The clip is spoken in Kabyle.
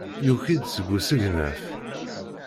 Yuki-d deg usegnaf.